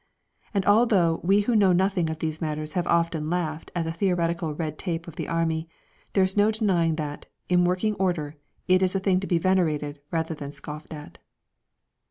And although we who know nothing of these matters have often laughed at the theoretical red tape of the Army, there is no denying that, in working order, it is a thing to be venerated rather than scoffed at.